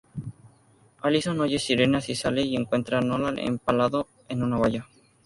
Alison oye sirenas y sale y encuentra a Nolan empalado en una valla.